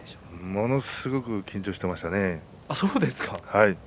ものすごく緊張していましたね。